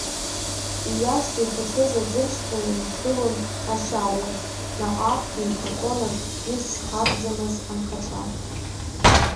Иҩашӡа иҭацәыз аӡыршьҭра ианшылон ашьарҩаш, наҟ-ааҟгьы иҭахон акгьы зхараӡамыз анхацәа.